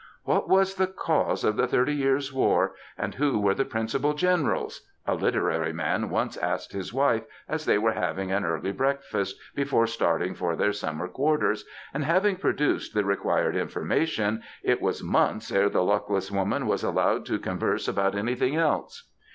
<^ What was the cause of the Thirty Years^ War, and who were the principal generals ?^^ a literary man once asked his wife as they were having an early breakfast before starting for their summer quarters, and, having produced the required information, it was months ere the luckless woman was allowed to converse about anything else.